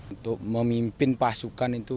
untuk memimpin pasukan itu